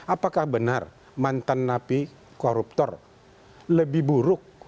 apakah benar mantan napi koruptor lebih buruk